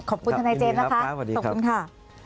ขอบคุณท่านนายเจมส์นะคะ